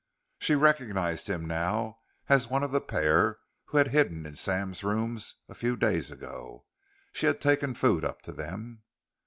She recognized him now as one of the pair who had hidden in Sam's rooms a few days ago. She had taken food up to them.